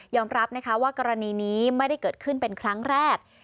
รับนะคะว่ากรณีนี้ไม่ได้เกิดขึ้นเป็นครั้งแรก